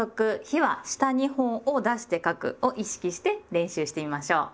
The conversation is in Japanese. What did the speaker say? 「日は下２本を出して書く」を意識して練習してみましょう！